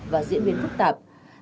và diễn biến phức tạp